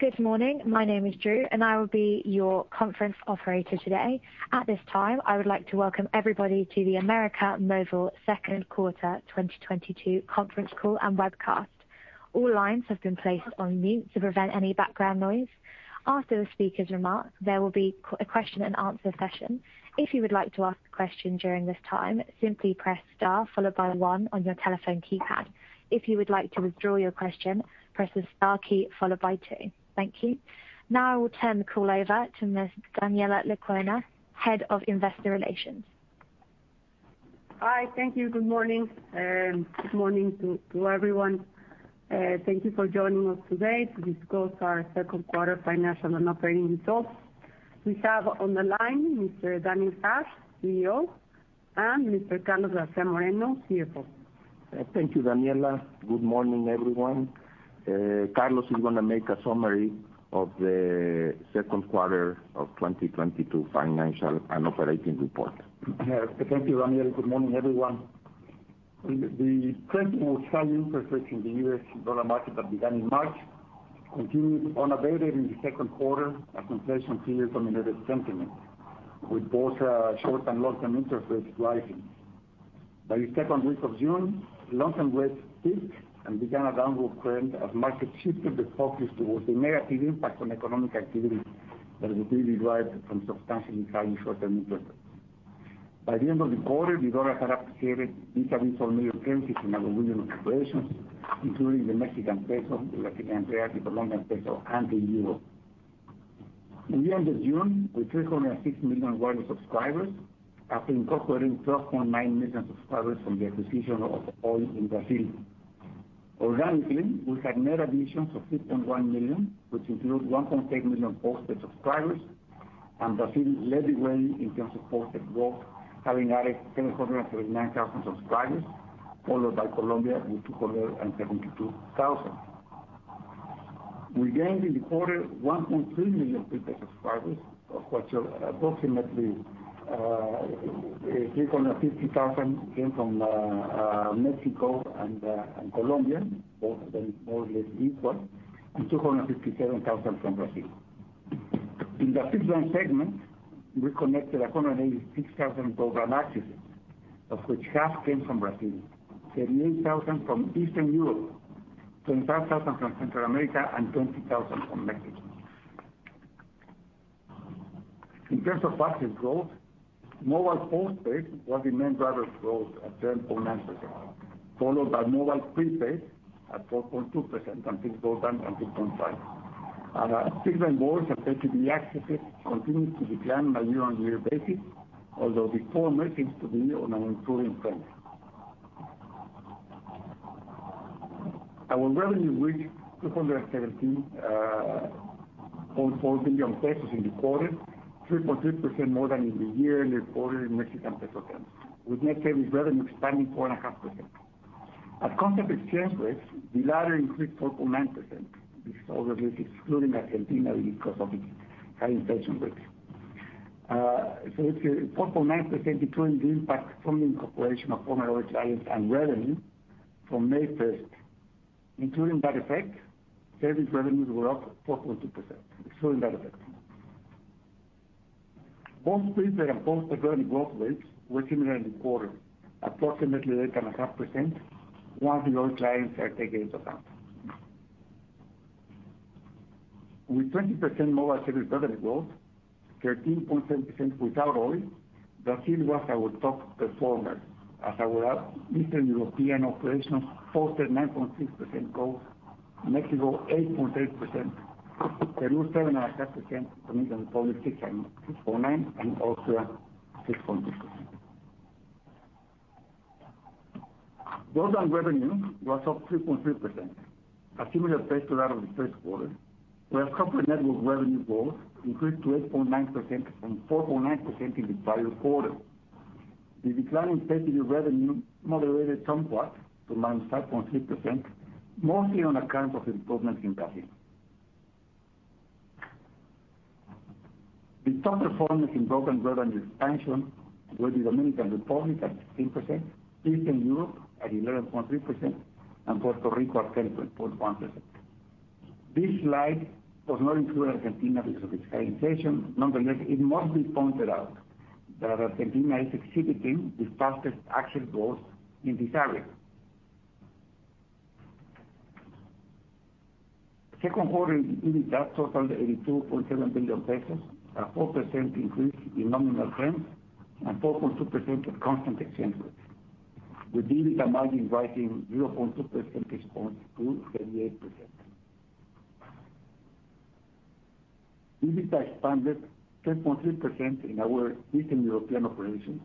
Good morning. My name is Drew, and I will be your conference operator today. At this time, I would like to welcome everybody to the América Móvil Q2 2022 conference call and webcast. All lines have been placed on mute to prevent any background noise. After the speaker's remarks, there will be Q&A question and answer session. If you would like to ask a question during this time, simply press Star followed by one on your telephone keypad. If you would like to withdraw your question, press the Star key followed by two. Thank you. Now I will turn the call over to Ms. Daniela Lecuona, Head of Investor Relations. Hi. Thank you. Good morning, and good morning to everyone. Thank you for joining us today to discuss our Q2 financial and operating results. We have on the line Mr. Daniel Hajj, CEO, and Mr. Carlos García Moreno, CFO. Thank you, Daniela. Good morning, everyone. Carlos is gonna make a summary of the Q2 of 2022 financial and operating report. Yeah. Thank you, Daniel. Good morning, everyone. The trend towards higher interest rates in the US dollar market that began in March continued unabated in the Q2, a reflection to the dominant sentiment, with both short and long-term interest rates rising. By the second week of June, long-term rates peaked and began a downward trend as markets shifted the focus towards the negative impact on economic activity that would be derived from substantially higher short-term interest rates. By the end of the quarter, the dollar had appreciated intermittently against our regional operations, including the Mexican peso, the Argentine peso, the Colombian peso, and the euro. In the end of June, with 306 million wireless subscribers after incorporating 12.9 million subscribers from the acquisition of OI in Brazil. Organically, we had net additions of 6.1 million, which includes 1.8 million postpaid subscribers, and Brazil led the way in terms of postpaid growth, having added 1,039 thousand subscribers, followed by Colombia with 272,000. We gained in the quarter 1.3 million prepaid subscribers, of which approximately 350 thousand came from Mexico and Colombia, both of them more or less equal, and 257,000 from Brazil. In the fixed line segment, we connected 186 thousand broadband accesses, of which half came from Brazil, 38 thousand from Eastern Europe, 25,000 from Central America, and 20,000 from Mexico. In terms of profit growth, mobile postpaid was the main driver of growth at 10.9%, followed by mobile prepaid at 4.2%, and fixed broadband at 2.5%. Our fixed line voice and Pay TV accesses continued to decline on a year-on-year basis, although the fourth month seems to be on an improving trend. Our revenue reached 217.4 billion pesos in the quarter, 3.3% more than in the year and the quarter in Mexican peso terms, with net service revenue expanding 4.5%. At constant exchange rates, the latter increased 4.9%. This total is excluding Argentina because of its high inflation rates. It's 4.9% between the impact from the incorporation of former OI clients and revenue from May first. Including that effect, service revenues were up 4.2%, excluding that effect. Both prepaid and postpaid revenue growth rates were similar in the quarter, approximately 8.5% once the OI clients are taken into account. With 20% mobile service revenue growth, 13.7% without OI, Brazil was our top performer, as our Eastern European operations posted 9.6% growth, Mexico 8.8%, Peru 7.5%, Dominican Republic 6.9%, and Austria 6.6%. Broadband revenue was up 3.3%, a similar pace to that of the Q1, where corporate network revenue growth increased to 8.9% from 4.9% in the prior quarter. The decline in Pay TV revenue moderated somewhat to -5.6%, mostly on account of improvements in Brazil. The top performers in broadband revenue expansion were the Dominican Republic at 16%, Eastern Europe at 11.3%, and Puerto Rico at 10.1%. This slide does not include Argentina because of its high inflation. Nonetheless, it must be pointed out that Argentina is exhibiting the fastest access growth in this area. Q2 EBITDA totaled 82.7 billion pesos, a 4% increase in nominal terms, and 4.2% at constant exchange rates, with EBITDA margin rising 0.2% to 38%. EBITDA expanded 10.3% in our Eastern European operations,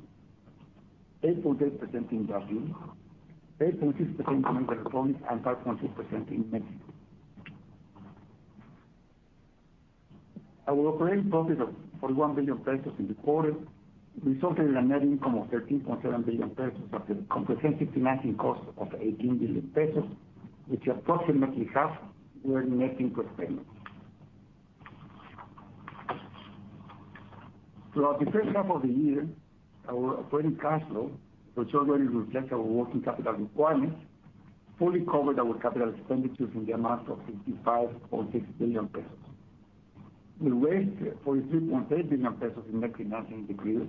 8.8% in Brazil, 8.6% in Dominican Republic, and 5.6% in Mexico. Our operating profit of MXN 41 billion in the quarter resulted in a net income of 13.7 billion pesos after comprehensive financing costs of 18 billion pesos, which approximately half were net interest payments. Throughout the H1 of the year, our operating cash flow, which already reflects our working capital requirements, fully covered our capital expenditures in the amount of 55.6 billion pesos. We raised 43.8 billion pesos in equity and debt deals,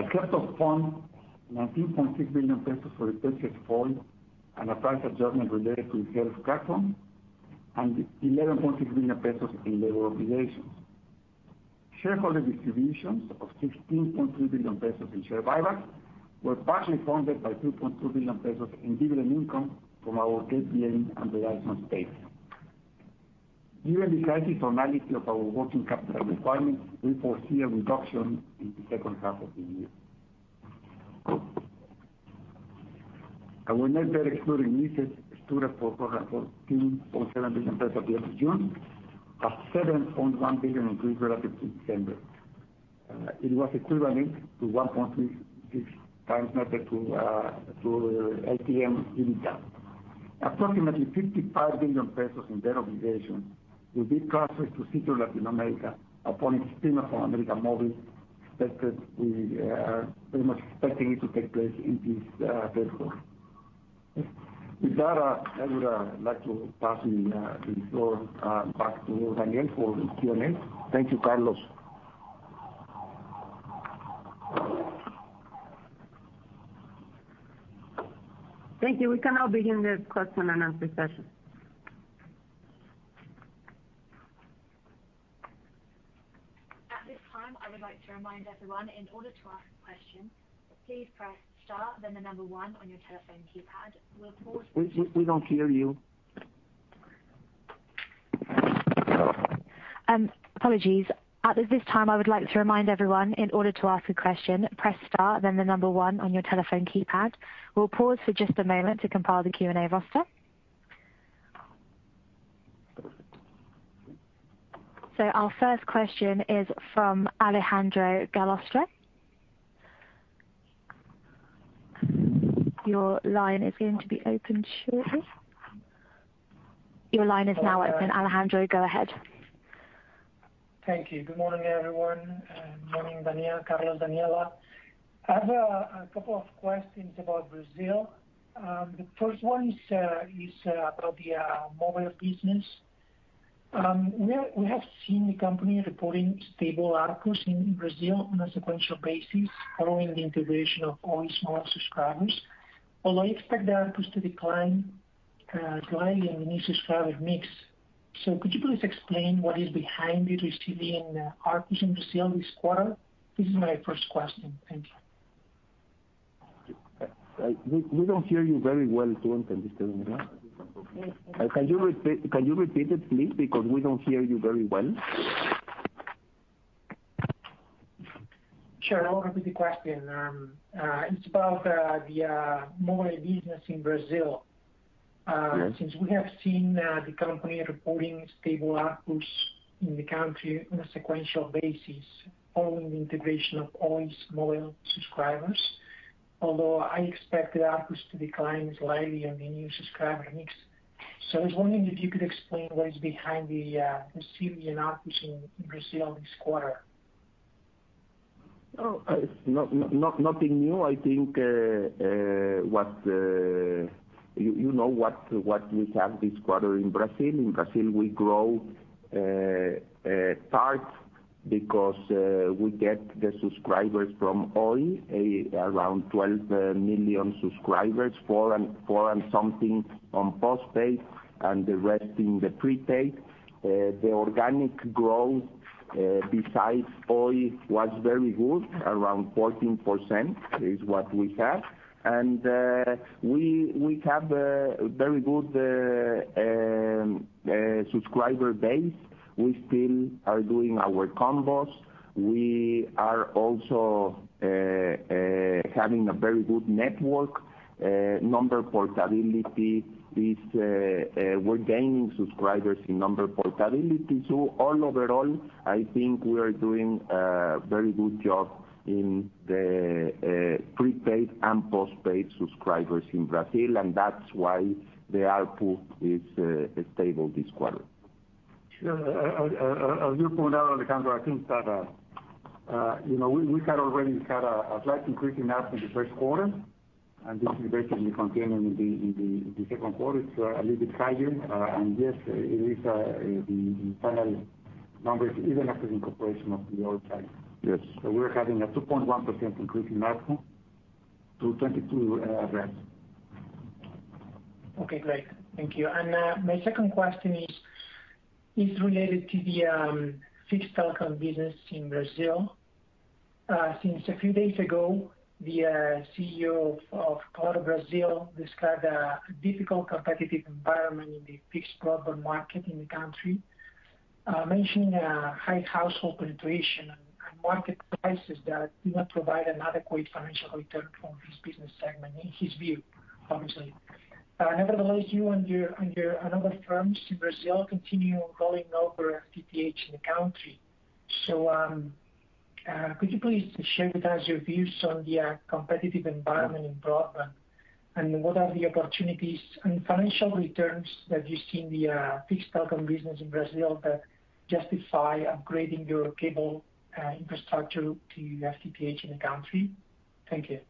accepted funds 19.6 billion pesos for the previous sale, and a price adjustment related to [inaudible] platform and 11.6 billion pesos in labor obligations. Shareholder distributions of 16.3 billion pesos in share buybacks were partially funded by 2.2 billion pesos in dividend income from our KPN and Verizon stakes. Given the criticality of our working capital requirements, we foresee a reduction in the H2 of the year. Our net debt excluding leases stood at MXN 414.7 billion at the end of June, a 7.1 billion increase relative to December. It was equivalent to 1.36 times net debt to LTM EBITDA. Approximately 55 billion pesos in debt obligations will be transferred to Sitios Latinoamérica upon its spin-off from América Móvil. We are pretty much expecting it to take place in this Q3. With that, I would like to pass the floor back to Daniel for Q&A. Thank you, Carlos. Thank you. We can now begin the question and answer session. At this time, I would like to remind everyone, in order to ask a question, please press star then the number one on your telephone keypad. We'll pause. We don't hear you. Apologies. At this time, I would like to remind everyone, in order to ask a question, press star then the number one on your telephone keypad. We'll pause for just a moment to compile the Q&A roster. Our first question is from Alejandro Gallostra. Your line is going to be opened shortly. Your line is now open, Alejandro. Go ahead. Thank you. Good morning, everyone. Good morning, Daniel, Carlos, Daniela. I have a couple of questions about Brazil. The first one is about the mobile business. We have seen the company reporting stable ARPU in Brazil on a sequential basis following the integration of all SIM subscribers, although I expect the ARPU to decline slightly in the new subscriber mix. Could you please explain what is behind your achieving ARPU in Brazil this quarter? This is my first question. Thank you. We don't hear you very well. Can you repeat it, please? Because we don't hear you very well. Sure, I'll repeat the question. It's about the mobile business in Brazil. Yes. Since we have seen the company reporting stable ARPU in the country on a sequential basis following the integration of all its mobile subscribers, although I expect the ARPU to decline slightly on the new subscriber mix. I was wondering if you could explain what is behind the resilient ARPU in Brazil this quarter. Oh, nothing new. I think, you know what we have this quarter in Brazil. In Brazil, we grow part because we get the subscribers from OI, around 12 million subscribers, four and something on postpaid and the rest in the prepaid. The organic growth besides OI was very good. Around 14% is what we have. We have a very good subscriber base. We still are doing our combos. We are also having a very good network. Number portability is, we're gaining subscribers in number portability. Overall, I think we are doing a very good job in the prepaid and postpaid subscribers in Brazil, and that's why the ARPU is stable this quarter. Sure. As you point out, Alejandro, I think that, you know, we had already had a slight increase in ARPU in the Q1, and this is basically continuing in the Q2. It's a little bit higher. Yes, it is the final numbers, even after the incorporation of the old sites. Yes. We're having a 2.1% increase in ARPU to MXN 22. Okay, great. Thank you. My second question is related to the fixed telecom business in Brazil. Since a few days ago, the CEO of Claro Brazil described a difficult competitive environment in the fixed broadband market in the country, mentioning a high household penetration and market prices that do not provide an adequate financial return from this business segment in his view, obviously. Nevertheless, you and your other firms in Brazil continue rolling out for FTTH in the country. Could you please share with us your views on the competitive environment in broadband? What are the opportunities and financial returns that you see in the fixed telecom business in Brazil that justify upgrading your cable infrastructure to FTTH in the country? Thank you.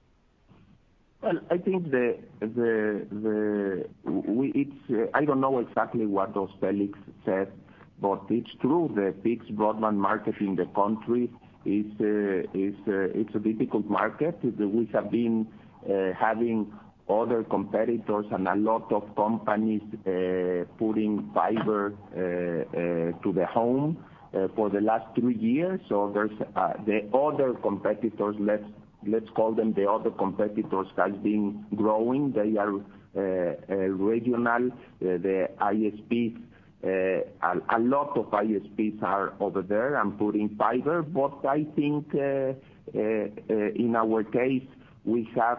Well, I think I don't know exactly what Félix said, but it's true. The fixed broadband market in the country is a difficult market. We have been having other competitors and a lot of companies putting fiber to the home for the last three years. There's the other competitors. Let's call them the other competitors has been growing. They are regional. The ISPs, a lot of ISPs are over there and putting fiber. I think in our case, we have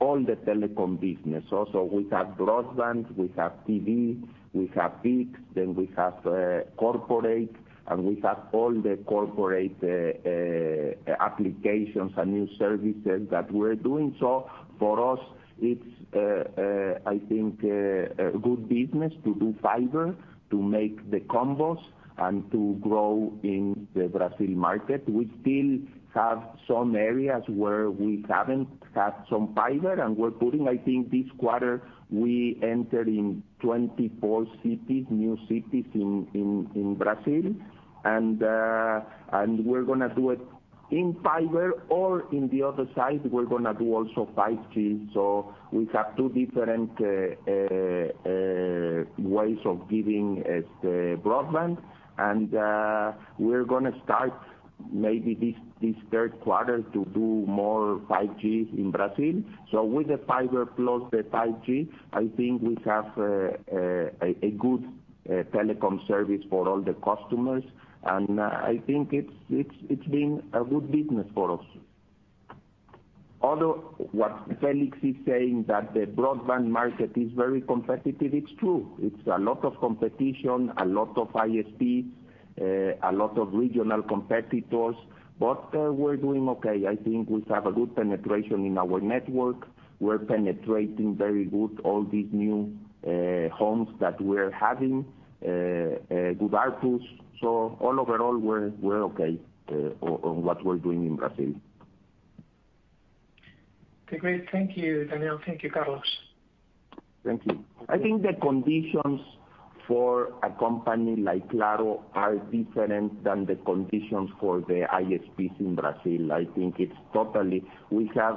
all the telecom business also. We have broadband, we have TV, we have fixed, and we have corporate, and we have all the corporate applications and new services that we're doing. For us, it's I think a good business to do fiber, to make the combos, and to grow in the Brazil market. We still have some areas where we haven't had some fiber, and we're putting I think this quarter we entered in 24 cities, new cities in Brazil. We're gonna do it in fiber or in the other side, we're gonna do also 5G, so we have two different ways of giving the broadband. We're gonna start maybe this Q3 to do more 5G in Brazil. With the fiber plus the 5G, I think we have a good telecom service for all the customers. I think it's been a good business for us. Although what Felix is saying that the broadband market is very competitive, it's true. It's a lot of competition, a lot of ISPs, a lot of regional competitors, but, we're doing okay. I think we have a good penetration in our network. We're penetrating very good all these new homes that we're having, good ARPU. So all overall, we're okay on what we're doing in Brazil. Okay, great. Thank you, Daniel. Thank you, Carlos. Thank you. I think the conditions for a company like Claro are different than the conditions for the ISPs in Brazil. We have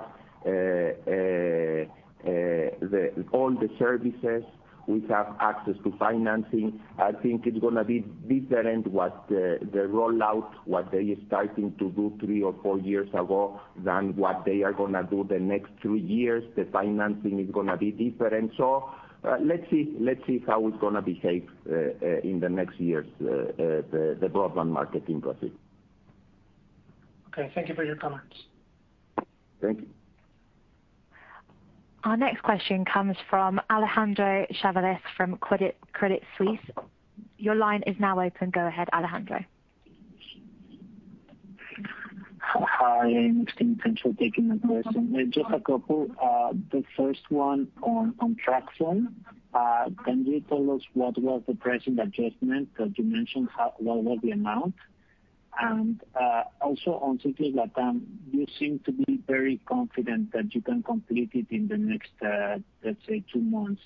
all the services, we have access to financing. I think it's gonna be different what the rollout what they are starting to do three or four years ago than what they are gonna do the next three years. The financing is gonna be different. Let's see how it's gonna behave in the next years the broadband market in Brazil. Okay, thank you for your comments. Thank you. Our next question comes from Alejandro Chavelas from Credit Suisse. Your line is now open. Go ahead, Alejandro. Hi, thanks for taking the question. Just a couple. The first one on TracFone. Can you tell us what was the pricing adjustment that you mentioned? What was the amount? And also on Sitios Latinoamérica, you seem to be very confident that you can complete it in the next, let's say two months.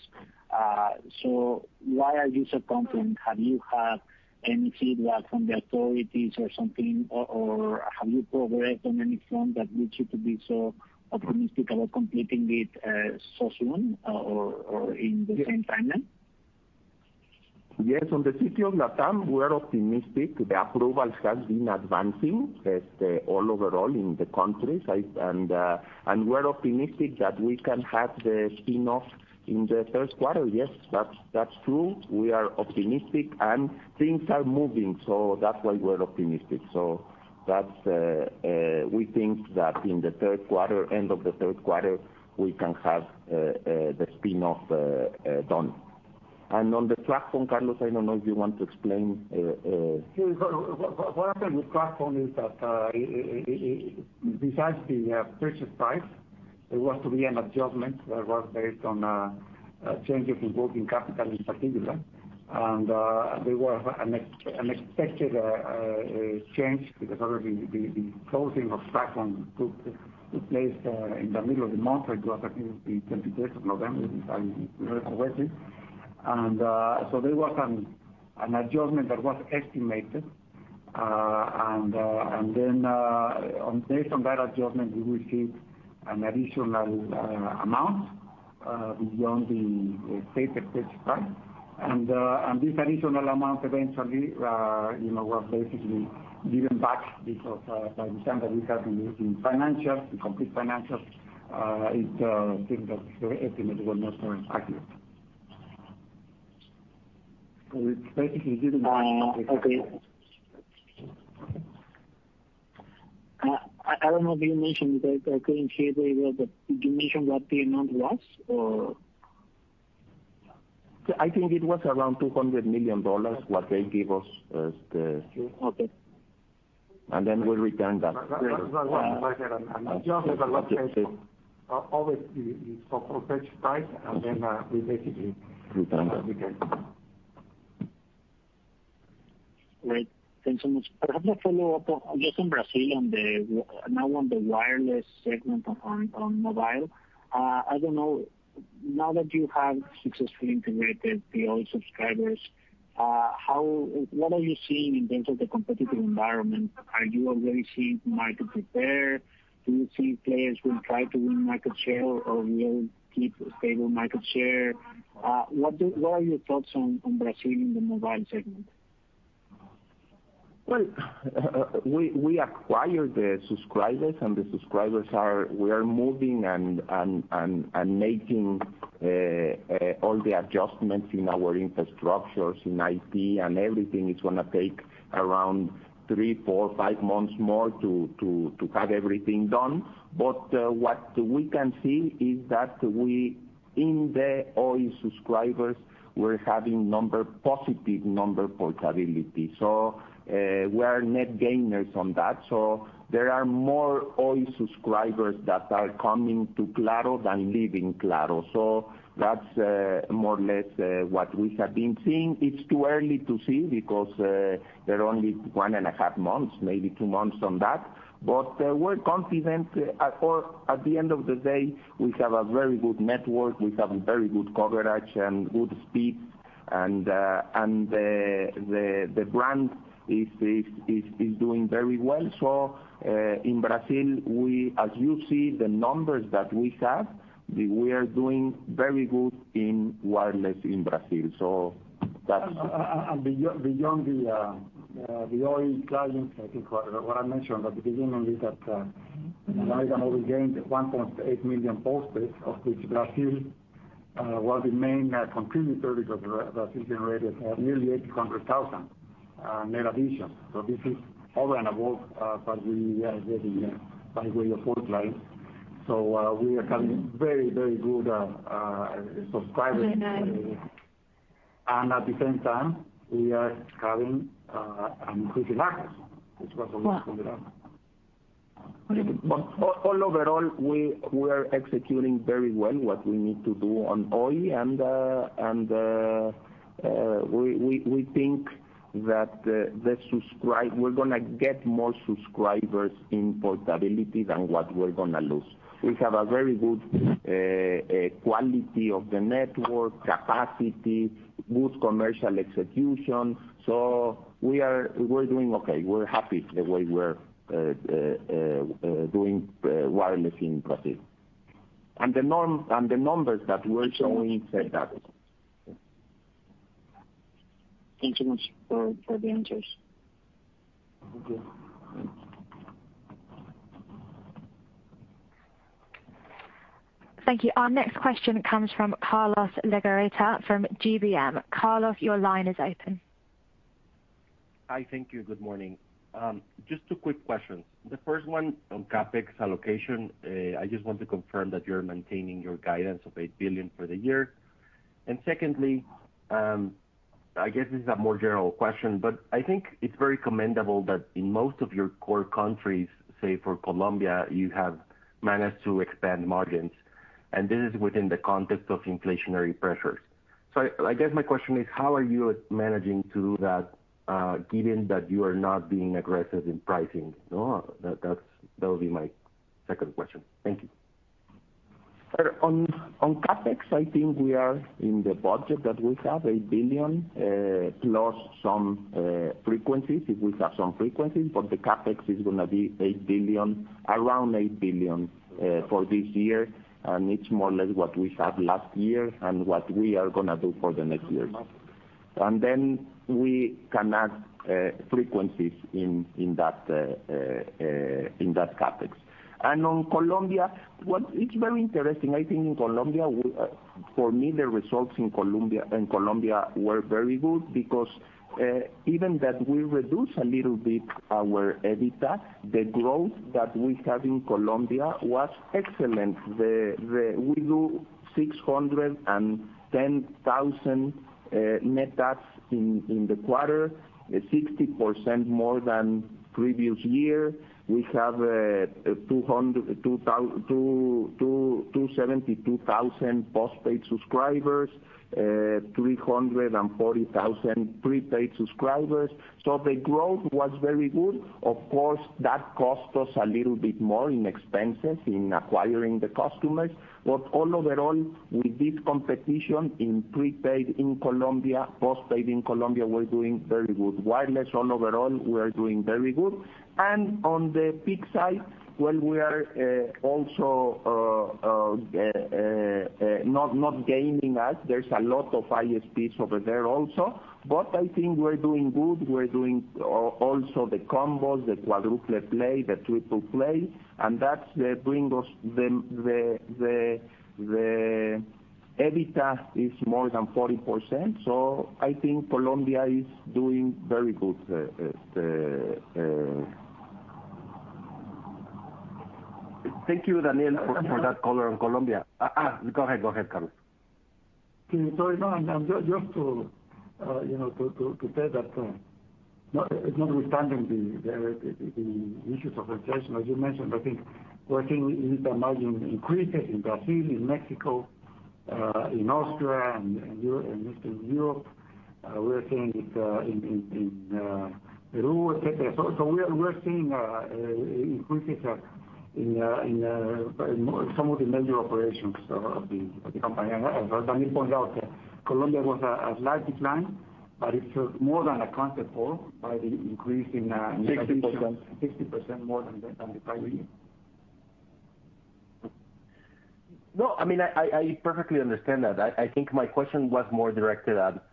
So why are you so confident? Have you had any feedback from the authorities or something, or have you progressed on any front that leads you to be so optimistic about completing it so soon or in the same timeline? Yes, on the Sitios Latinoamérica, we are optimistic. The approvals have been advancing as overall in the country. We're optimistic that we can have the spin-off in the Q3. Yes, that's true. We are optimistic, and things are moving, so that's why we're optimistic. We think that in the Q3, end of the Q3, we can have the spin-off done. On the platform, Carlos, I don't know if you want to explain. Sure. What happened with platform is that, besides the purchase price, there was to be an adjustment that was based on changes in working capital in particular. There was an expected change because the closing of platform took place in the middle of the month. It was, I think, the twenty-third of November, if I recall correctly. There was an adjustment that was estimated. Based on that adjustment, we received an additional amount beyond the stated purchase price. This additional amount eventually, you know, was basically given back because, by the time that we have been doing financials, the complete financials, it seemed that the estimate was much more accurate. It's basically given back. Okay. I don't know if you mentioned it. I couldn't hear very well, but did you mention what the amount was or I think it was around $200 million what they give us. Okay. We return that. Always for purchase price and then, we basically. Return that. -return. Great. Thanks so much. Perhaps a follow-up on, I guess in Brazil now on the wireless segment on mobile. I don't know, now that you have successfully integrated the old subscribers, what are you seeing in terms of the competitive environment? Are you already seeing market share? Do you see players will try to win market share or will keep stable market share? What are your thoughts on Brazil in the mobile segment? We acquired the subscribers. We are moving and making all the adjustments in our infrastructures, in IT and everything. It's gonna take around three, four, five months more to have everything done. What we can see is that in the OI subscribers, we're having positive number portability. We are net gainers on that. There are more OI subscribers that are coming to Claro than leaving Claro. That's more or less what we have been seeing. It's too early to see because they're only one and a half months, maybe two months on that. We're confident at all. At the end of the day, we have a very good network. We have very good coverage and good speed and the brand is doing very well. In Brazil, as you see the numbers that we have, we are doing very good in wireless in Brazil. That's- Beyond the OI clients, I think what I mentioned at the beginning is that Viva gained 1.8 million postpays, of which Brazil was the main contributor because Brazil generated nearly 800,000 net additions. This is over and above what we had getting by way of port lines. We are having very good subscribers. Mm-hmm. At the same time, we are having an increase in ARPU, which was also good. Overall, we are executing very well what we need to do on OI and we think that we're gonna get more subscribers in portability than what we're gonna lose. We have a very good quality of the network capacity, good commercial execution. We're doing okay. We're happy the way we're doing wireless in Brazil. The numbers that we're showing say that. Thank you much for the answers. Thank you. Thanks. Thank you. Our next question comes from Carlos Legarreta from GBM. Carlos, your line is open. Hi. Thank you. Good morning. Just two quick questions. The first one on CapEx allocation. I just want to confirm that you're maintaining your guidance of 8 billion for the year. Secondly, I guess this is a more general question, but I think it's very commendable that in most of your core countries, say for Colombia, you have managed to expand margins, and this is within the context of inflationary pressures. I guess my question is: How are you managing to do that, given that you are not being aggressive in pricing? That would be my second question. Thank you. On CapEx, I think we are in the budget that we have, 8 billion plus some frequencies, if we have some frequencies. The CapEx is gonna be 8 billion, around 8 billion for this year, and it's more or less what we had last year and what we are gonna do for the next years. We can add frequencies in that CapEx. On Colombia, it's very interesting. I think in Colombia, for me, the results in Colombia were very good because even though we reduce a little bit our EBITDA, the growth that we have in Colombia was excellent. We do 610,000 net adds in the quarter, 60% more than previous year. We have 272,000 postpaid subscribers, 340,000 prepaid subscribers. The growth was very good. Of course, that cost us a little bit more in expenses in acquiring the customers. All overall, we beat competition in prepaid in Colombia, postpaid in Colombia, we're doing very good. Wireless all overall, we are doing very good. On the fixed side, we are also not gaining as there's a lot of ISPs over there also. I think we're doing good. We're doing also the combos, the quadruple play, the triple play, and that's bringing us the EBITDA is more than 40%. I think Colombia is doing very good. Thank you, Daniel, for that color on Colombia. Go ahead, Carlos. No, I'm just to you know to say that notwithstanding the issues of inflation, as you mentioned, I think we're seeing EBITDA margin increases in Brazil, in Mexico, in Austria, and Eastern Europe. We're seeing it in Peru, et cetera. We're seeing increases in some of the major operations of the company. As Daniel pointed out, Colombia was a large decline, but it's more than accounted for by the increase in 60%. 60% more than the prior year. No, I mean, I perfectly understand that. I think my question was more directed at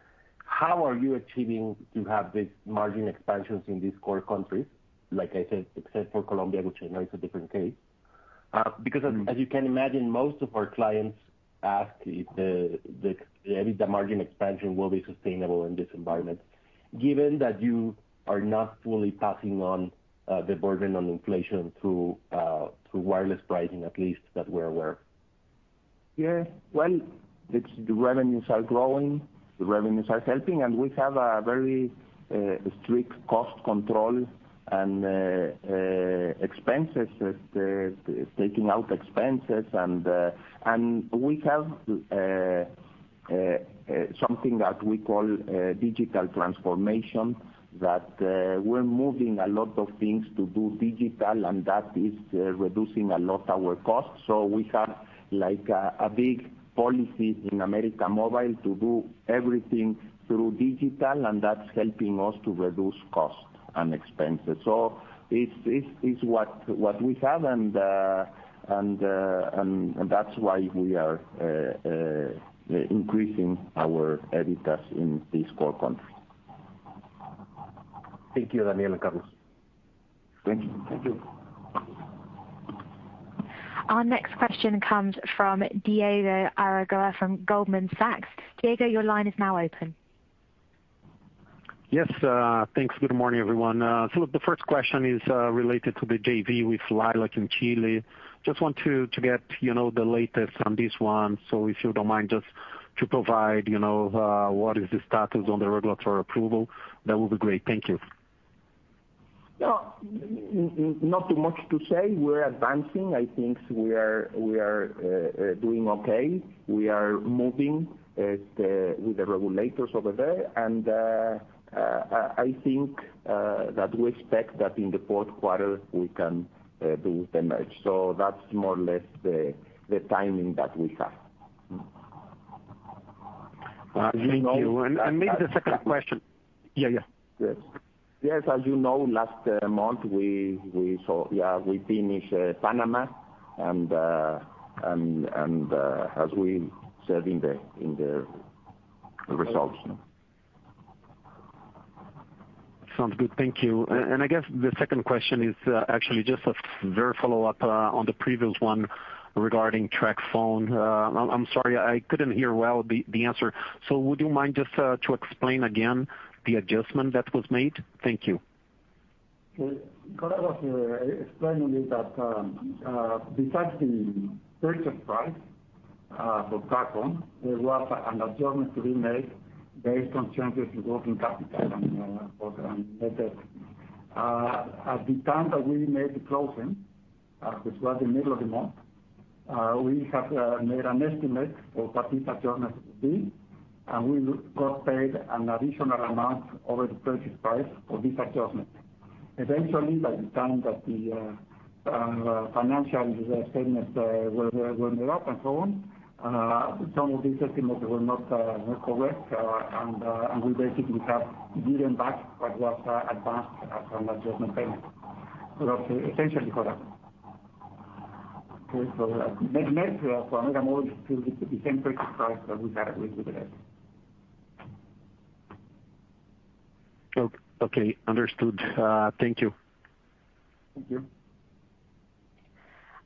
how are you achieving to have these margin expansions in these core countries? Like I said, except for Colombia, which I know is a different case. Mm-hmm. Because as you can imagine, most of our clients ask if the EBITDA margin expansion will be sustainable in this environment given that you are not fully passing on the burden on inflation through wireless pricing, at least that we're aware. Yeah. Well, it's the revenues are growing, the revenues are helping, and we have a very strict cost control and expenses taking out expenses. We have something that we call digital transformation, that we're moving a lot of things to do digital, and that is reducing a lot our costs. We have, like, a big policy in América Móvil to do everything through digital, and that's helping us to reduce costs and expenses. It's what we have, and that's why we are increasing our EBITDAs in these core countries. Thank you, Daniel and Carlos. Thank you. Thank you. Our next question comes from Diego Aragao from Goldman Sachs. Diego, your line is now open. Yes. Thanks. Good morning, everyone. The first question is related to the JV with Liberty Latin America in Chile. Just want to get, you know, the latest on this one. If you don't mind just to provide, you know, what is the status on the regulatory approval, that would be great. Thank you. No, not too much to say. We're advancing. I think we are doing okay. We are moving with the regulators over there, and I think that we expect that in the fourth quarter we can do the merger. That's more or less the timing that we have. Thank you. Maybe the second question. Yeah. Yes. As you know, last month we saw. Yeah, we finished Panama and, as we said in the results. Sounds good. Thank you. I guess the second question is, actually just a very follow-up, on the previous one regarding TracFone. I'm sorry, I couldn't hear well the answer. Would you mind just to explain again the adjustment that was made? Thank you. Carlos here. I explained a bit that, besides the purchase price, for TracFone, there was an adjustment to be made based on changes to working capital and other. At the time that we made the closing, which was the middle of the month, we had made an estimate of what this adjustment would be, and we got paid an additional amount over the purchase price for this adjustment. Eventually, by the time that the financial statements were made up and so on, some of these estimates were not correct. And we basically have given back what was advanced as an adjustment payment. That's essentially correct. Okay. Net, America Móvil paid the same purchase price that we had originally. Okay. Understood. Thank you. Thank you.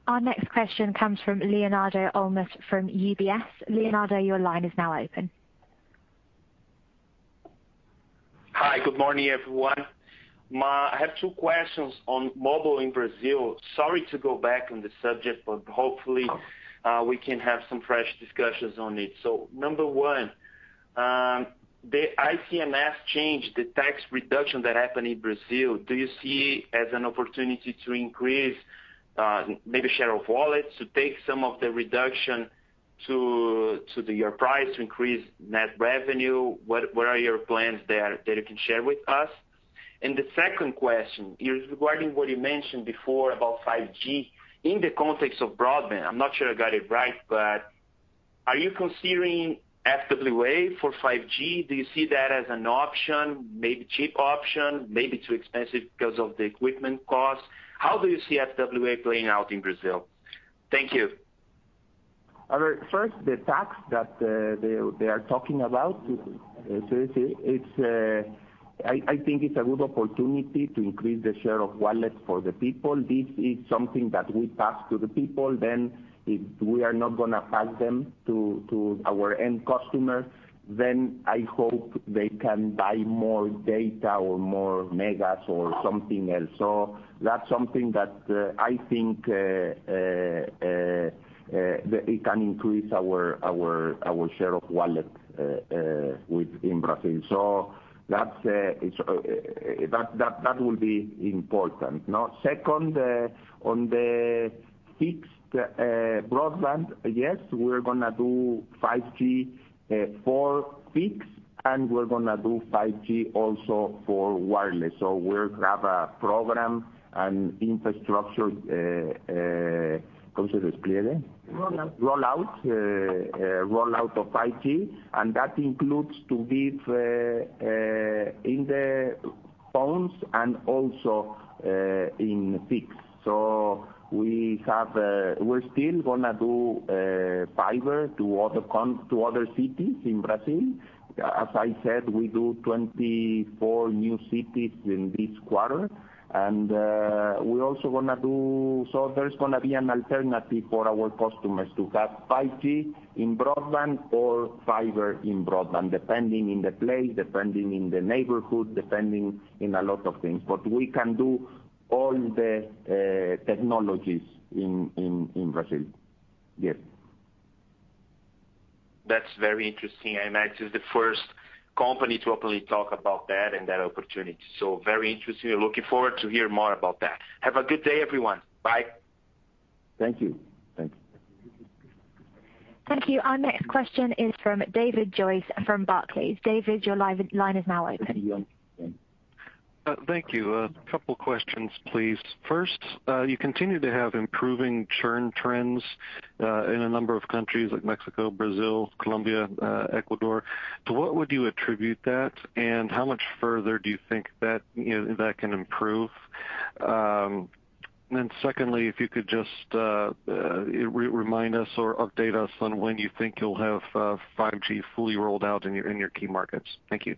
Our next question comes from Leonardo Olmos from UBS. Leonardo, your line is now open. Hi. Good morning, everyone. I have two questions on mobile in Brazil. Sorry to go back on the subject, but hopefully. No. We can have some fresh discussions on it. Number one, the ICMS change, the tax reduction that happened in Brazil, do you see as an opportunity to increase, maybe share of wallets, to take some of the reduction to your price to increase net revenue? What are your plans there that you can share with us? The second question is regarding what you mentioned before about 5G. In the context of broadband, I'm not sure I got it right, but are you considering FWA for 5G? Do you see that as an option, maybe cheap option? Maybe too expensive because of the equipment costs. How do you see FWA playing out in Brazil? Thank you. I mean, first the tax that they are talking about, so it's a good opportunity to increase the share of wallet for the people. This is something that we pass to the people, then if we are not gonna pass them to our end customers, then I hope they can buy more data or more megas or something else. So that's something that I think that it can increase our share of wallet within Brazil. That will be important. Now, second, on the fixed broadband, yes, we're gonna do 5G for fixed, and we're gonna do 5G also for wireless. We'll have a program and infrastructure roll out. Roll out. Rollout of 5G, and that includes the 5G in the phones and also in fixed. We have, we're still gonna do fiber to other cities in Brazil. As I said, we do 24 new cities in this quarter. We're also gonna do. There's gonna be an alternative for our customers to have 5G in broadband or fiber in broadband, depending on the place, depending on the neighborhood, depending on a lot of things. We can do all the technologies in Brazil. Yes. That's very interesting. I imagine it's the first company to openly talk about that and that opportunity. Very interesting. Looking forward to hear more about that. Have a good day, everyone. Bye. Thank you. Thank you. Thank you. Our next question is from David Joyce from Barclays. David, your line is now open. Thank you. A couple questions, please. First, you continue to have improving churn trends in a number of countries like Mexico, Brazil, Colombia, Ecuador. To what would you attribute that, and how much further do you think that, you know, that can improve? Then secondly, if you could just remind us or update us on when you think you'll have 5G fully rolled out in your key markets? Thank you.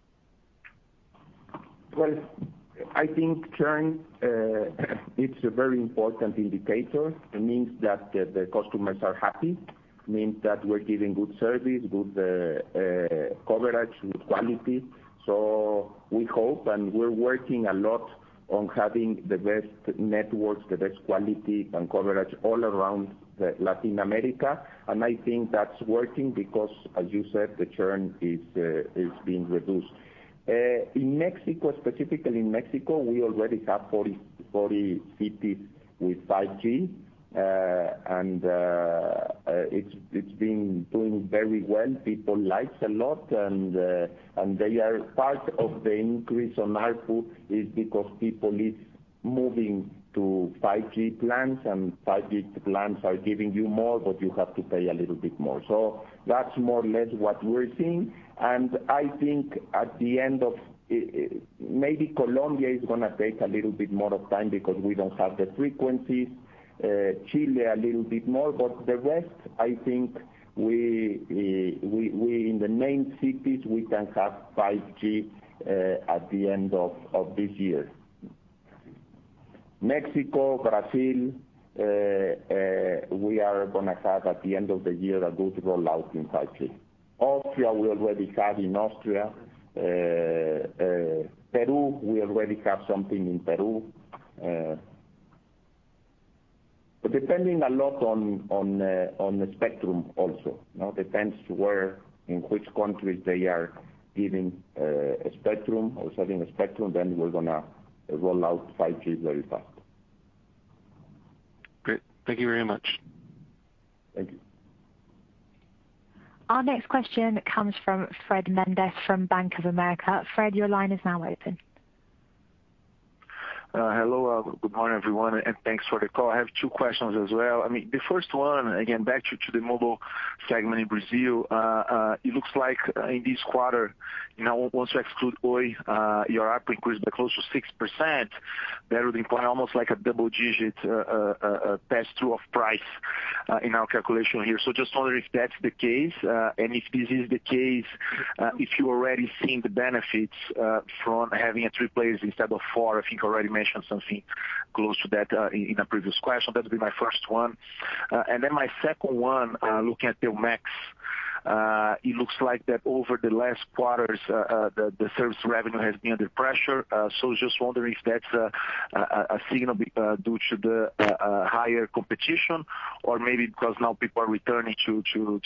Well, I think churn it's a very important indicator. It means that the customers are happy. It means that we're giving good service, good coverage, good quality. We hope, and we're working a lot on having the best networks, the best quality and coverage all around Latin America. I think that's working because, as you said, the churn is being reduced. In Mexico, specifically in Mexico, we already have 40 cities with 5G. It's been doing very well. People likes a lot, and they are part of the increase on ARPU is because people is moving to 5G plans, and 5G plans are giving you more, but you have to pay a little bit more. That's more or less what we're seeing. I think at the end of maybe Colombia is gonna take a little bit more of time because we don't have the frequencies. Chile a little bit more. The rest, I think we in the main cities, we can have 5G at the end of this year. Mexico, Brazil, we are gonna have at the end of the year a good rollout in 5G. Austria, we already have in Austria. Peru, we already have something in Peru. Depending a lot on the spectrum also. Now depends where, in which countries they are giving a spectrum or selling a spectrum, then we're gonna roll out 5G very fast. Great. Thank you very much. Thank you. Our next question comes from Fred Mendes from Bank of America. Fred, your line is now open. Hello. Good morning, everyone, and thanks for the call. I have two questions as well. I mean, the first one, again, back to the mobile segment in Brazil. It looks like, in this quarter, you know, once you exclude OI, your ARPU increased by close to 6%. That would imply almost like a double digit pass-through of price in our calculation here. Just wonder if that's the case. If this is the case, if you already seen the benefits from having three players instead of four. I think you already mentioned something close to that in a previous question. That would be my first one. Then my second one, looking at Telmex. It looks like that over the last quarters, the service revenue has been under pressure. Just wondering if that's a signal due to the higher competition or maybe because now people are returning to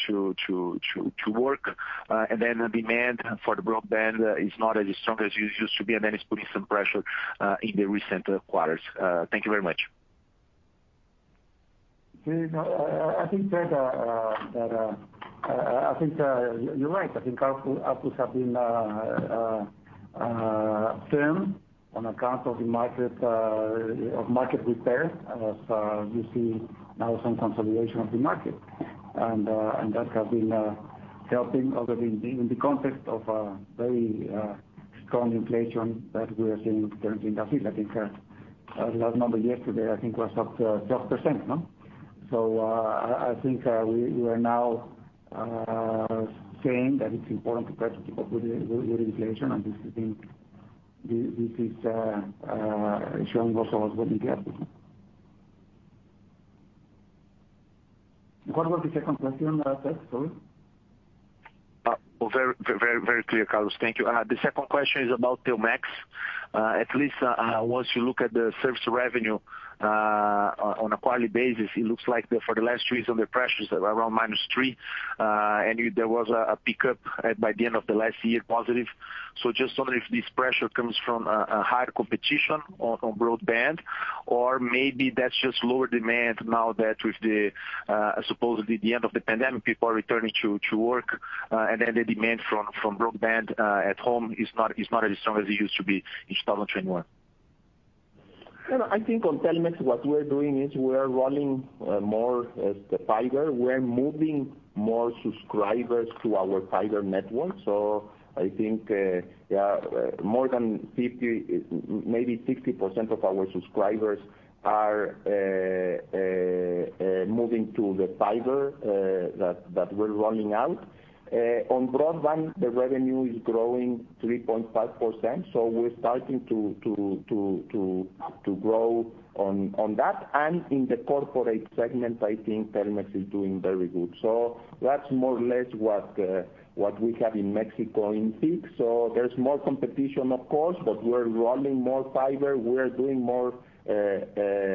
work. The demand for the broadband is not as strong as it used to be, and then it's putting some pressure in the recent quarters. Thank you very much. You know, I think, Fred, that I think you're right. I think ARPUs have been firm on account of the market repair as you see now some consolidation of the market. That have been helping although in the context of very strong inflation that we are seeing currently in Brazil. I think our last number yesterday I think was up to 12%, no? I think we are now saying that it's important to try to keep up with inflation, and this I think this is showing also what we get. What was the second question that I said, sorry? Well, very clear, Carlos. Thank you. The second question is about Telmex. At least, once you look at the service revenue, on a quarterly basis, it looks like for the last three years the pressures around -3%, and there was a pickup by the end of last year positive. Just wondering if this pressure comes from a higher competition on broadband, or maybe that's just lower demand now that with the supposedly the end of the pandemic, people are returning to work, and then the demand from broadband at home is not as strong as it used to be in 2021. You know, I think on Telmex, what we're doing is we're running more the fiber. We're moving more subscribers to our fiber network. I think yeah, more than 50, maybe 60% of our subscribers are moving to the fiber that we're rolling out. On broadband, the revenue is growing 3.5%, so we're starting to grow on that. In the corporate segment, I think Telmex is doing very good. That's more or less what we have in Mexico in peak. There's more competition, of course, but we're running more fiber, we're doing more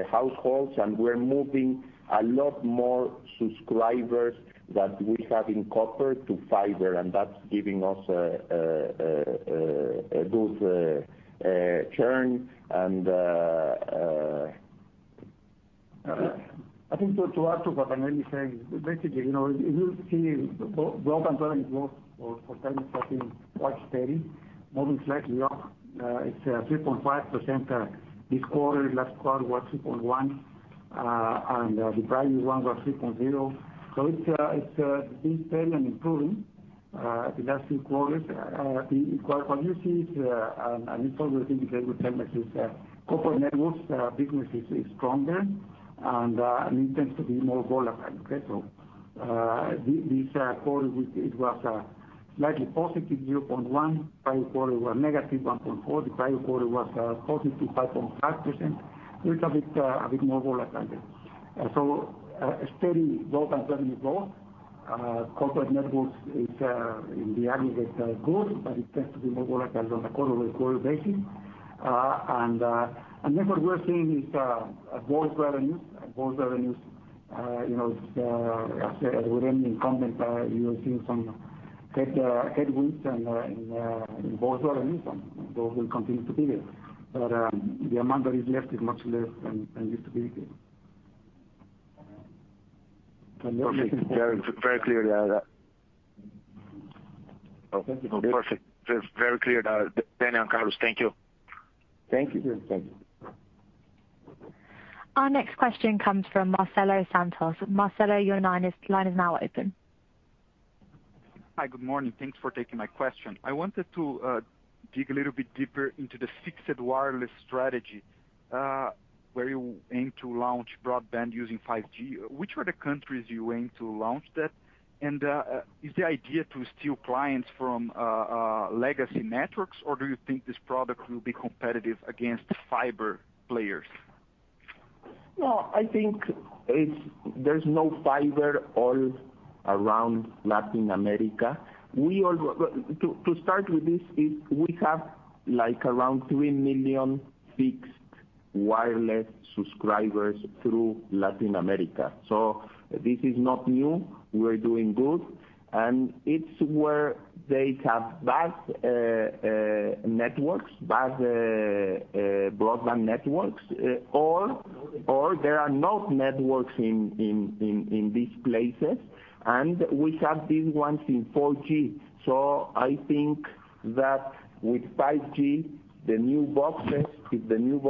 households, and we're moving a lot more subscribers that we have in copper to fiber, and that's giving us a good churn and I think to add to what I'm really saying, basically, you know, you see broadband revenue growth for Telmex has been quite steady, moving slightly up. It's 3.5% this quarter. Last quarter was 3.1%. The prior one was 3.0%. So it's being steady and improving the last few quarters. What you see is, and it's always indicated with Telmex is, corporate networks business is stronger and it tends to be more volatile. So this quarter it was slightly positive, 0.1%. Prior quarter was -1.4%. The prior quarter was positive 5.5%. So it's a bit more volatile. Steady broadband revenue growth. Corporate networks is in the aggregate good, but it tends to be more volatile on a quarter-to-quarter basis. What we're seeing is voice revenues. Voice revenues, you know, as Daniel Hajj commented, you're seeing some headwinds in voice revenues, and those will continue to be there. The amount that is left is much less than used to be. Perfect. Very clear. Yeah, that. Thank you. Perfect. Very clear, that. Daniel and Carlos, thank you. Thank you. Thank you. Our next question comes from Marcelo Santos. Marcelo, your line is now open. Hi. Good morning. Thanks for taking my question. I wanted to dig a little bit deeper into the fixed wireless strategy, where you aim to launch broadband using 5G. Which are the countries you aim to launch that? Is the idea to steal clients from legacy networks, or do you think this product will be competitive against fiber players? No, I think there's no fiber all around Latin America. To start with, we have, like, around 3 million fixed wireless subscribers throughout Latin America. This is not new. We're doing good. It's where they have bad networks, bad broadband networks, or there are no networks in these places. We have these ones in 4G. I think that with 5G, the new boxes, when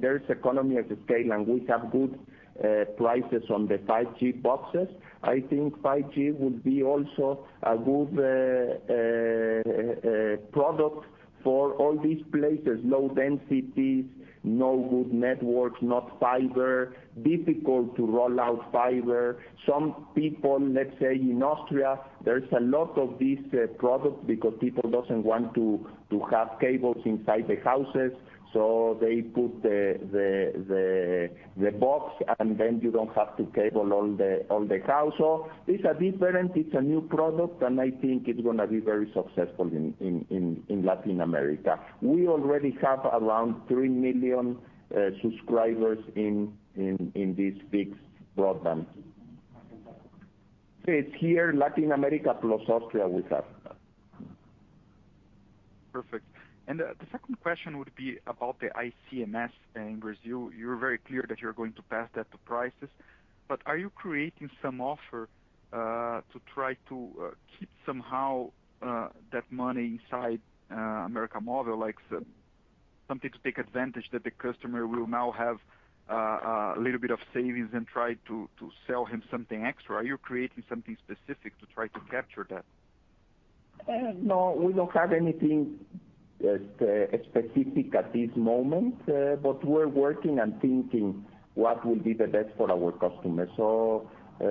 there's economies of scale and we have good prices on the 5G boxes, 5G would be also a good product for all these places, low densities, no good networks, not fiber, difficult to roll out fiber. Some people, let's say in Austria, there's a lot of these products because people doesn't want to have cables inside the houses. So they put the box, and then you don't have to cable all the house. So it's a different, it's a new product, and I think it's gonna be very successful in Latin America. We already have around 3 million subscribers in this fixed broadband. It's here, Latin America plus Austria we have. Perfect. The second question would be about the ICMS in Brazil. You're very clear that you're going to pass that to prices. Are you creating some offer to try to keep somehow that money inside América Móvil? Like, Something to take advantage that the customer will now have a little bit of savings and try to sell him something extra. Are you creating something specific to try to capture that? No, we don't have anything specific at this moment. We're working and thinking what will be the best for our customers. We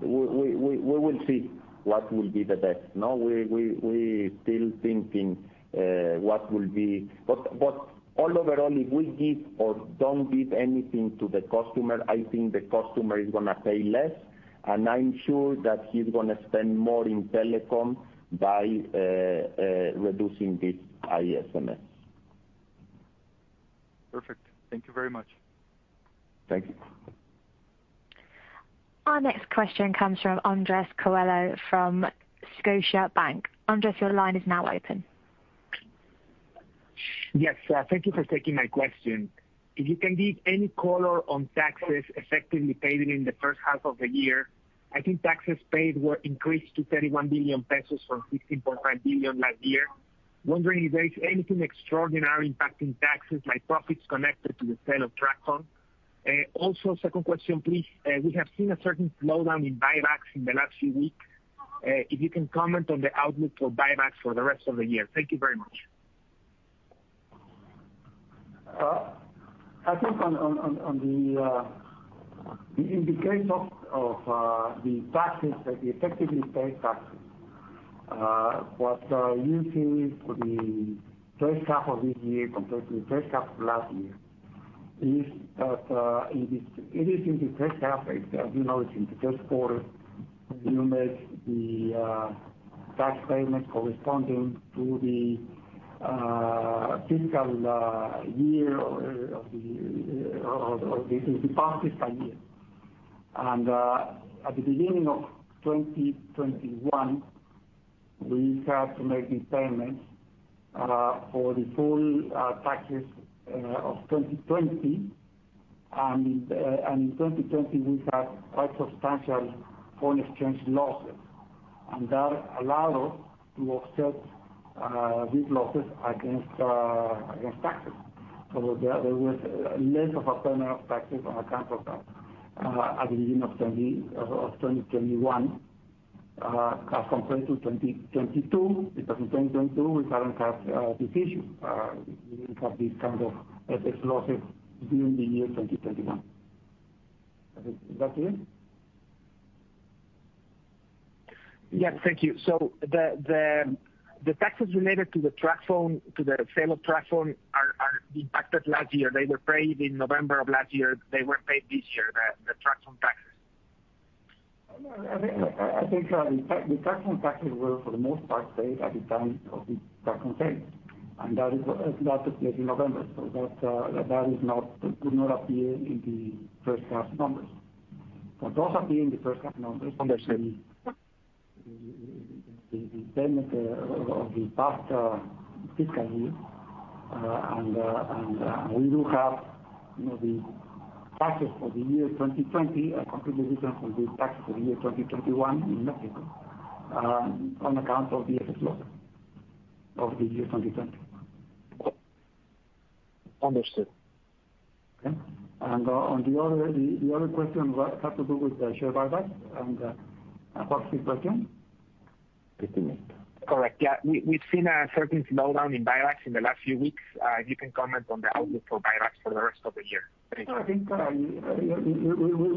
will see what will be the best. No, we still thinking what will be. Overall, if we give or don't give anything to the customer, I think the customer is gonna pay less, and I'm sure that he's gonna spend more in telecom by reducing this ICMS. Perfect. Thank you very much. Thank you. Our next question comes from Andrés Coello from Scotiabank. Andrés, your line is now open. Yes. Thank you for taking my question. If you can give any color on taxes effectively paid in the H1 of the year? I think taxes paid were increased to 31 billion pesos from 16.5 billion last year. Wondering if there is anything extraordinary impacting taxes, like profits connected to the sale of TracFone? Also second question, please. We have seen a certain slowdown in buybacks in the last few weeks. If you can comment on the outlook for buybacks for the rest of the year. Thank you very much. I think on the indication of the taxes, the effectively paid taxes, what you see for the H1 of this year compared to the H1 of last year is that it is in the H1. As you know, it's in the first quarter you make the tax payment corresponding to the fiscal year of the past fiscal year. At the beginning of 2021, we had to make these payments for the full taxes of 2020. In 2020 we had quite substantial foreign exchange losses, and that allowed us to offset these losses against taxes. There was less of a payment of taxes on account of that at the beginning of 2021, as compared to 2022, because in 2022 we haven't had this issue. We didn't have this kind of FX losses during the year 2021. I think. Was that clear? Yes, thank you. The taxes related to the TracFone, to the sale of TracFone are impacted last year. They were paid in November of last year. They weren't paid this year, the TracFone taxes. No, I think the TracFone taxes were for the most part paid at the time of the TracFone sale, and that is, that appeared in November. That did not appear in the H1 numbers. What does appear in the H1 numbers Understood. The payment of the past fiscal year and we do have, you know, the taxes for the year 2020 are completely different from the taxes of the year 2021 in Mexico, on account of the FX losses of the year 2020. Understood. Okay. On the other question had to do with the share buyback and, what's his question? Correct. Yeah. We've seen a certain slowdown in buybacks in the last few weeks. If you can comment on the outlook for buybacks for the rest of the year? Thank you. No, I think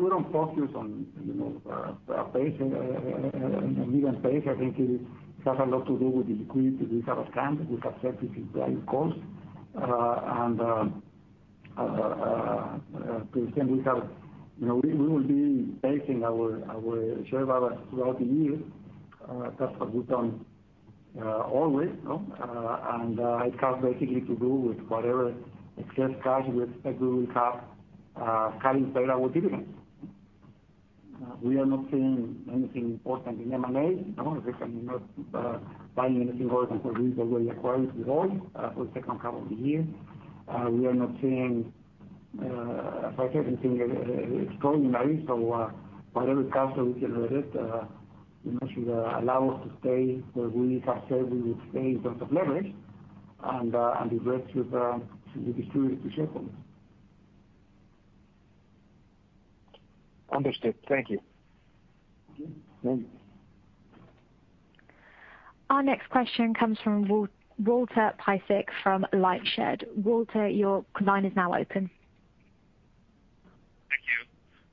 we don't focus on, you know, a given pace. I think it has a lot to do with the liquidity we have at hand. We have said this is our goal. You know, we will be making our share buyback throughout the year. That's what we've done always, no? It has basically to do with whatever excess cash we expect we will have, having paid our dividends. We are not seeing anything important in M&A. I don't think I'm not buying anything relevant for we've already acquired before, for the H2 of the year. We are not seeing, I haven't seen extraordinary. Whatever cash that we generated, you know, should allow us to stay where we have said we would stay in terms of leverage and the rest should be distributed to shareholders. Understood. Thank you. Okay. Thank you. Our next question comes from Walter Piecyk from LightShed. Walter, your line is now open. Thank you.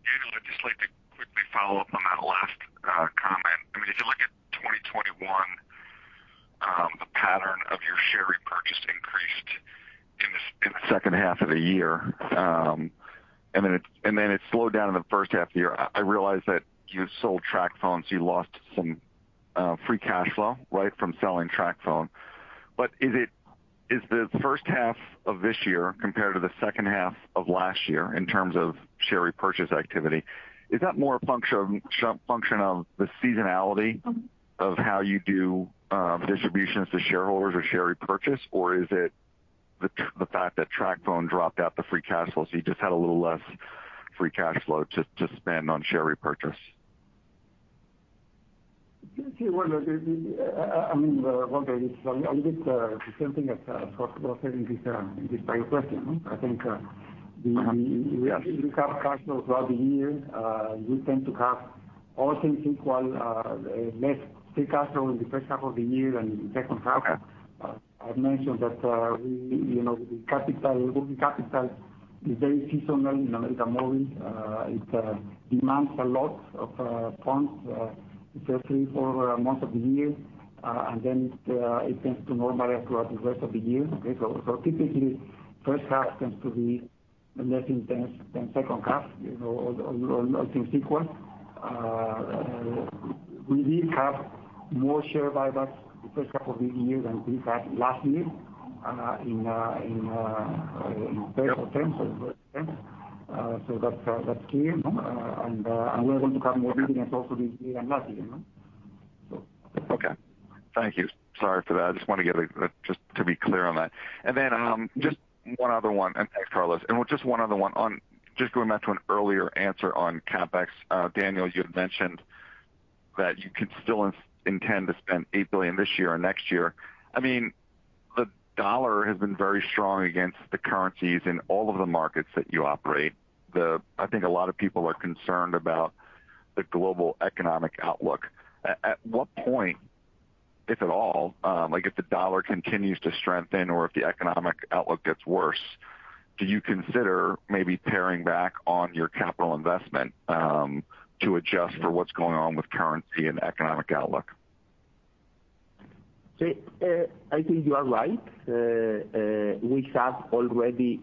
Daniel, I'd just like to quickly follow up on that last comment. I mean, if you look at 2021, the pattern of your share repurchase increased in the H2 of the year. And then it slowed down in the H1 of the year. I realize that you sold TracFone, so you lost some free cash flow, right? From selling TracFone. But is the H1 of this year compared to the H2 of last year in terms of share repurchase activity more a function of the seasonality of how you do distributions to shareholders or share repurchase? Is it the fact that TracFone dropped out the free cash flow, so you just had a little less free cash flow to spend on share repurchase? Yeah. Well, I mean, Robert, it's a little bit the same thing as Jose in this prior question. I think we have cash flow throughout the year. We tend to have all things equal, less free cash flow in the H1 of the year than in the H2. I've mentioned that we, you know, working capital is very seasonal, you know, like roaming. It demands a lot of funds especially for months of the year. And then it tends to normalize throughout the rest of the year. Okay. Typically, H1 tends to be less intense than H2, you know, all things equal. We did have more share buybacks the first couple of the year than we had last year, in April, September. So that's key. We're going to have more dividends also this year than last year, no? Okay. Thank you. Sorry for that. Just to be clear on that. Just one other one. Thanks, Carlos. Just one other one. Just going back to an earlier answer on CapEx. Daniel, you had mentioned that you could still intend to spend $8 billion this year or next year. I mean, the dollar has been very strong against the currencies in all of the markets that you operate. I think a lot of people are concerned about the global economic outlook. At what point, if at all, like, if the dollar continues to strengthen or if the economic outlook gets worse, do you consider maybe paring back on your capital investment, to adjust for what's going on with currency and economic outlook? I think you are right. We have already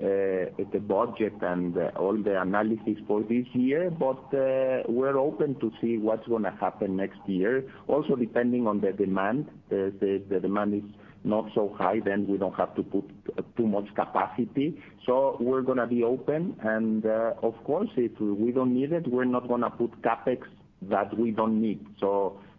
done the budget and all the analysis for this year, but we're open to see what's gonna happen next year. Also, depending on the demand, the demand is not so high, then we don't have to put too much capacity. We're gonna be open and, of course, if we don't need it, we're not gonna put CapEx that we don't need.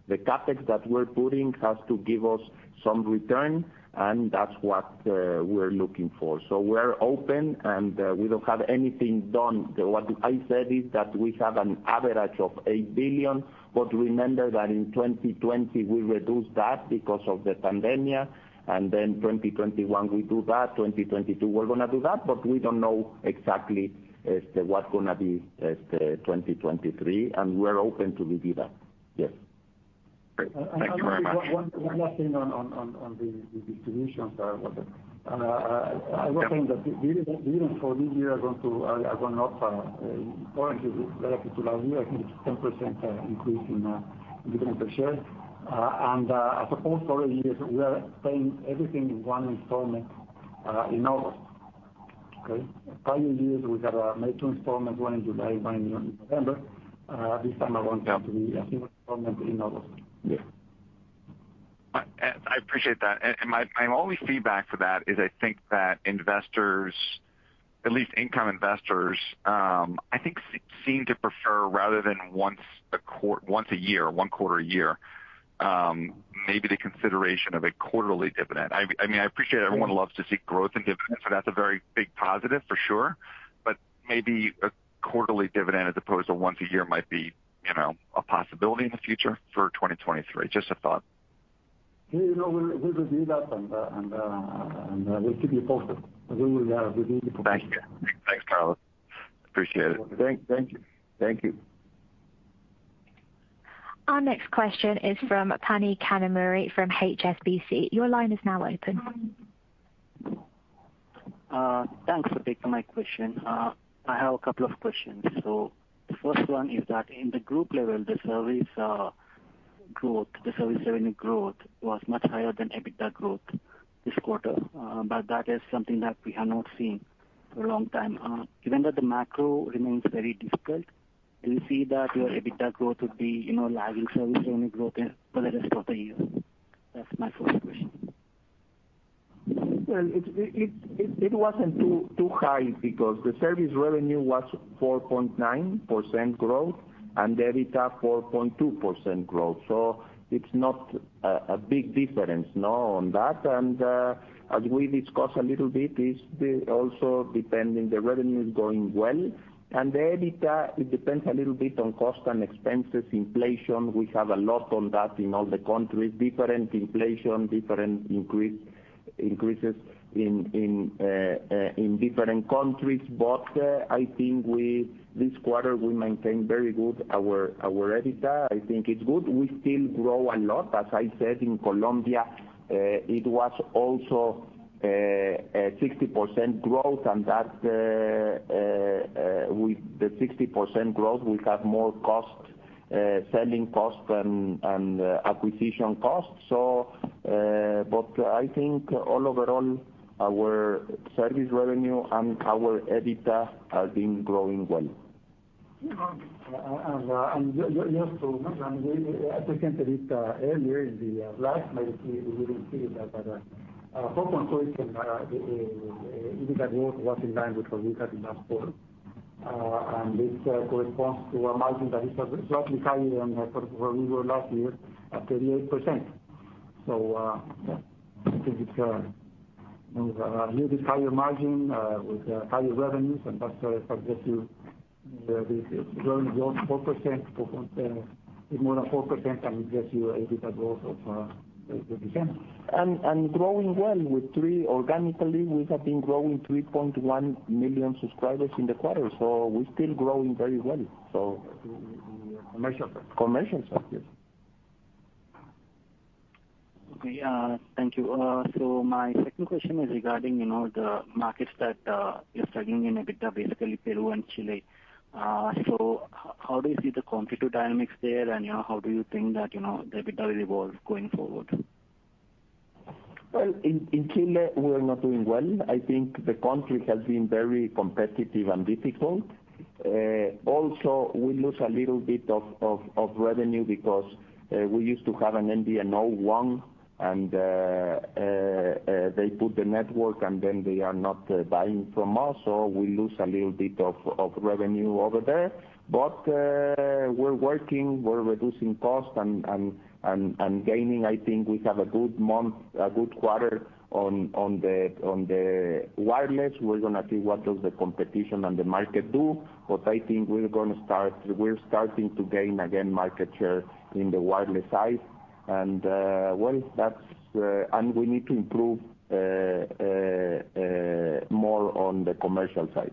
The CapEx that we're putting has to give us some return, and that's what we're looking for. We're open, and we don't have anything done. What I said is that we have an average of 8 billion, but remember that in 2020 we reduced that because of the pandemic, and then 2021 we do that, 2022 we're gonna do that, but we don't know exactly what's gonna be 2023, and we're open to review that. Yes. Great. Thank you very much. One last thing on the distributions, Walter Piecyk. I was saying that even for this year I went up relative to last year. I think it's 10% increase in dividend per share. I suppose for years we are paying everything in one installment in August. Okay? Prior years, we had two installments, one in July, one in November. This time around, it have to be a single installment in August. Yeah. I appreciate that. My only feedback for that is I think that investors, at least income investors, I think seem to prefer, rather than once a year or one quarter a year, maybe the consideration of a quarterly dividend. I mean, I appreciate everyone loves to see growth in dividends, so that's a very big positive for sure. Maybe a quarterly dividend as opposed to once a year might be, you know, a possibility in the future for 2023. Just a thought. Yeah. You know, we'll review that and we'll keep you posted. Thank you. Thanks, Carlos. Appreciate it. Thank you. Thank you. Our next question is from Phani Kanumuri from HSBC. Your line is now open. Thanks for taking my question. I have a couple of questions. The first one is that in the group level, the service growth, the service revenue growth was much higher than EBITDA growth this quarter. But that is something that we have not seen for a long time. Given that the macro remains very difficult, do you see that your EBITDA growth would be, you know, lagging service revenue growth for the rest of the year? That's my first question. Well, it wasn't too high because the service revenue was 4.9% growth and the EBITDA 4.2% growth. It's not a big difference, no, on that. As we discussed a little bit, also depending the revenue is going well. The EBITDA depends a little bit on cost and expenses, inflation. We have a lot on that in all the countries. Different inflation, different increases in different countries. I think this quarter we maintain very good our EBITDA. I think it's good. We still grow a lot. As I said, in Colombia, it was also 60% growth and that with the 60% growth, we have more cost selling costs and acquisition costs. I think all overall, our service revenue and our EBITDA have been growing well. You know, just to mention, we presented it earlier in the slides, maybe you didn't see it, but 4.4% is the EBITDA growth was in line with what we had in last quarter. This corresponds to a margin that is slightly higher than sort of where we were last year at 38%. I think it's little bit higher margin with higher revenues and that's, I guess you, this is growth 4% or more than 4% and it gets you an EBITDA growth of 50%. Growing well with 3% organically. We have been growing 3.1 million subscribers in the quarter, so we're still growing very well. The commercial side. Commercial side, yes. Okay. Thank you. My second question is regarding, you know, the markets that you're struggling in EBITDA, basically Peru and Chile. How do you see the competitive dynamics there and, you know, how do you think that, you know, the EBITDA will evolve going forward? Well, in Chile, we're not doing well. I think the country has been very competitive and difficult. Also, we lose a little bit of revenue because we used to have an MVNO one and they put the network and then they are not buying from us. So we lose a little bit of revenue over there. But we're working, we're reducing costs and gaining. I think we have a good month, a good quarter on the wireless. We're gonna see what does the competition and the market do. But I think we're starting to gain again market share in the wireless side. Well, we need to improve more on the commercial side.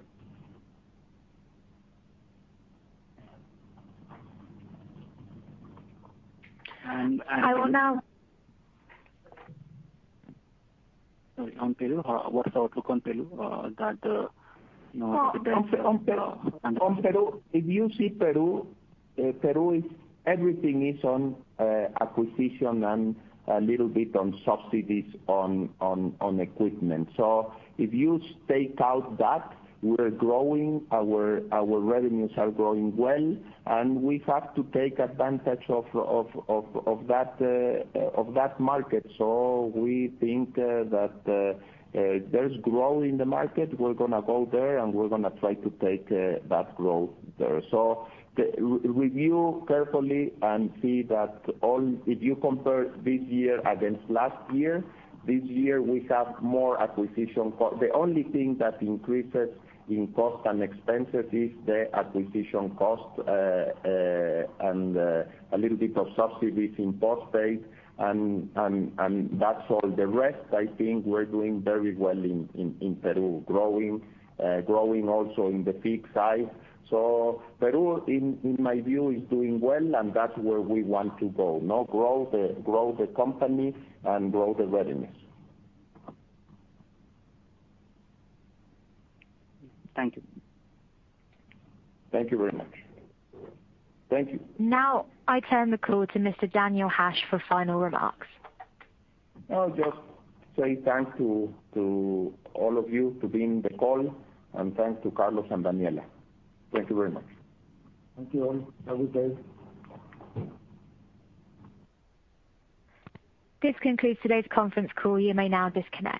And, and- I will now. Sorry. On Peru, what's our outlook on Peru? That, you know, In Peru, if you see Peru, everything is on acquisition and a little bit on subsidies on equipment. If you take out that, we're growing, our revenues are growing well, and we have to take advantage of that market. We think that there's growth in the market, we're gonna go there and we're gonna try to take that growth there. Review carefully and see that all. If you compare this year against last year, this year we have more acquisition cost. The only thing that increases in cost and expenses is the acquisition cost, and a little bit of subsidies in postpaid and that's all. The rest, I think we're doing very well in Peru. Growing also in the fixed side. Peru, in my view, is doing well and that's where we want to go. Now grow the company and grow the revenues. Thank you. Thank you very much. Thank you. Now I turn the call to Mr. Daniel Hajj for final remarks. I'll just say thanks to all of you for being on the call, and thanks to Carlos García Moreno and Daniela Lecuona. Thank you very much. Thank you all. Have a good day. This concludes today's conference call. You may now disconnect.